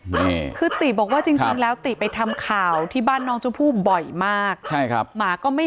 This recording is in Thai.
นี่คือติบอกว่าจริงจริงแล้วติไปทำข่าวที่บ้านน้องชมพู่บ่อยมากใช่ครับหมาก็ไม่